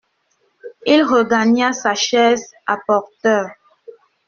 Il regagna sa chaise à porteurs.